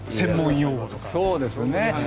そうですね。